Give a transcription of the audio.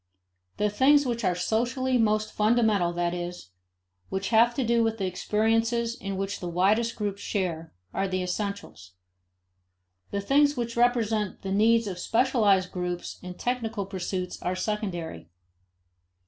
The things which are socially most fundamental, that is, which have to do with the experiences in which the widest groups share, are the essentials. The things which represent the needs of specialized groups and technical pursuits are secondary.